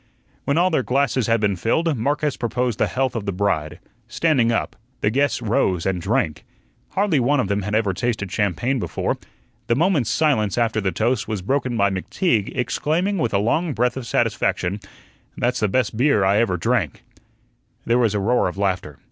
When all their glasses had been filled, Marcus proposed the health of the bride, "standing up." The guests rose and drank. Hardly one of them had ever tasted champagne before. The moment's silence after the toast was broken by McTeague exclaiming with a long breath of satisfaction: "That's the best beer I ever drank." There was a roar of laughter.